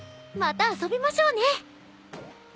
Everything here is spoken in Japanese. また遊びましょうね。